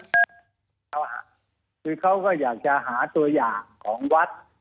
คือเขาก็อยากจะหาตัวอย่างของวัด